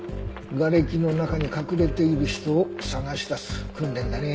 瓦礫の中に隠れている人を捜し出す訓練だね。